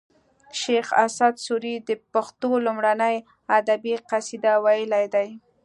شیخ اسعد سوري د پښتو لومړنۍ ادبي قصیده ویلې ده